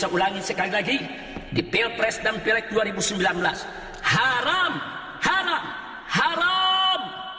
haram haram haram